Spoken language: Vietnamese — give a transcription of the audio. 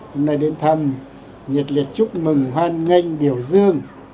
hôm nay đến thăm nhiệt liệt chúc mừng hoan nghênh biểu dương